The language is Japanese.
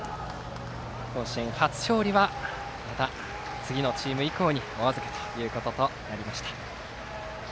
甲子園初勝利はまた次のチーム以降におあずけとなりました。